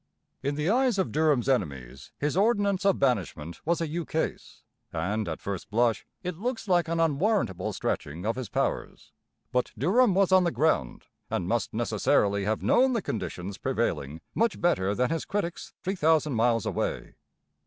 In the eyes of Durham's enemies his ordinance of banishment was a ukase; and, at first blush, it looks like an unwarrantable stretching of his powers. But Durham was on the ground and must necessarily have known the conditions prevailing much better than his critics three thousand miles away.